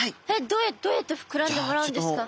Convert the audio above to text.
どうやって膨らんでもらうんですか？